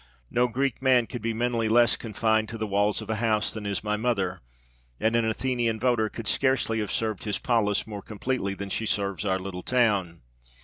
No Greek man could be mentally less confined to the walls of a house than is my mother, and an Athenian voter could scarcely have served his polis more completely than she serves our little town.